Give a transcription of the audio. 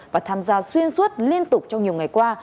và tham gia xuyên suốt liên tục trong nhiều ngày qua